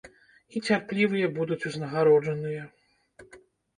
І цярплівыя будуць узнагароджаныя.